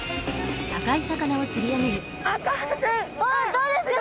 どうですか？